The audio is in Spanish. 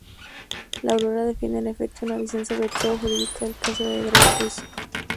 La Aurora defiende, en efecto, una visión sobre todo jurídica del caso de Dreyfus.